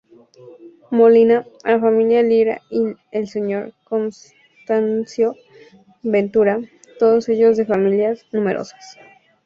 Molina, la familia Lira y el Sr. Constancio Ventura, todos ellos de familias numerosas.